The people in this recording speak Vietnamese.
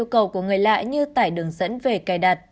bạn có thể theo yêu cầu của người lạ như tải đường dẫn về cài đặt